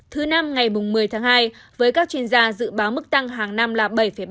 thứ năm ngày một mươi tháng hai với các chuyên gia dự báo mức tăng hàng năm là bảy ba